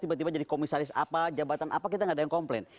tiba tiba jadi komisaris apa jabatan apa kita gak ada yang komplain